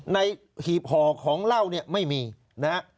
หีบห่อของเหล้าเนี่ยไม่มีนะฮะ